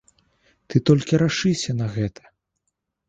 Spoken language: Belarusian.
Ты толькі рашыся на гэта!